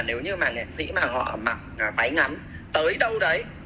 nếu như mà nghệ sĩ mà họ mặc váy ngắn tới đâu đấy